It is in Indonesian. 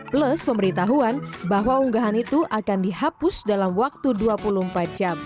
plus pemberitahuan bahwa unggahan itu akan dihapus dalam waktu dua puluh empat jam